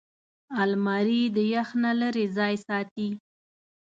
الماري د یخ نه لېرې ځای ساتي